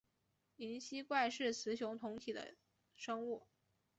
灵吸怪是雌雄同体的生物。